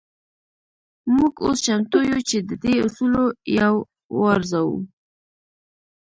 موږ اوس چمتو يو چې د دې اصولو يو وارزوو.